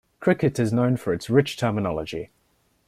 Cricket is known for its rich terminology.